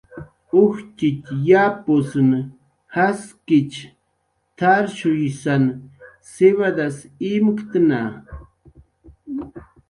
"Ujtxitx yapusn jaskich t""arshuysan siwadas imktna"